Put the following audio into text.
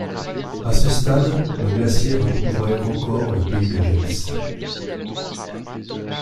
À ce stade, le glacier recouvrait encore le pays de Gex.